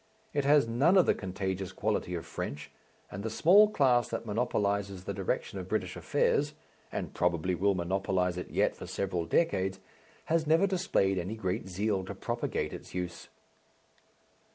It has none of the contagious quality of French, and the small class that monopolizes the direction of British affairs, and probably will monopolize it yet for several decades, has never displayed any great zeal to propagate its use.